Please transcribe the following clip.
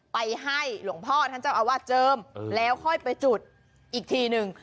ไปให้หลวงพ่อท่านเจ้าอาวาสเจิมแล้วค่อยไปจุดอีกทีหนึ่ง